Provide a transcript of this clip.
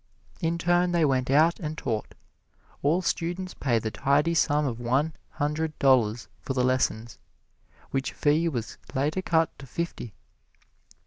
In turn they went out and taught; all students paid the tidy sum of one hundred dollars for the lessons, which fee was later cut to fifty.